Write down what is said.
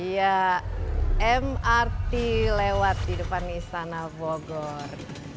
ya mrt lewat di depan istana bogor